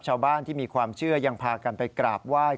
ชาวบ้านที่มีความเชื่อยังพากันไปกราบไหว้